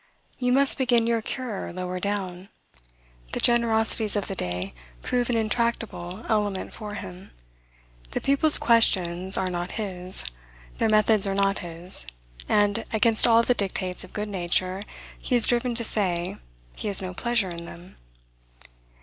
You must begin your cure lower down." The generosities of the day prove an intractable element for him. The people's questions are not his; their methods are not his; and, against all the dictates of good nature, he is driven to say, he has no pleasure in them.